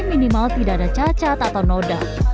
minimal tidak ada cacat atau noda